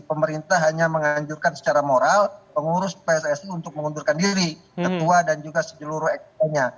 pemerintah hanya menganjurkan secara moral pengurus pssi untuk mengundurkan diri ketua dan juga segeluruh ekstranya